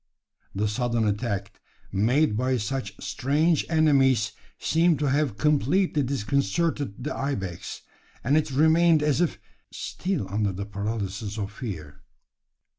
The sudden attack made by such strange enemies seemed to have completely disconcerted the ibex; and it remained as if still under the paralysis of fear.